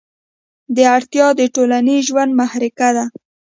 دا اړتیا د ټولنیز ژوند محرکه ده.